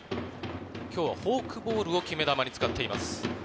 きょうはフォークボールを決め球に使っています。